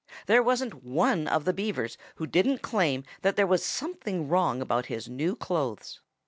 There wasn't one of the Beavers who didn't claim that there was something wrong about his new clothes.